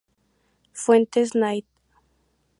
Fuentes Knight.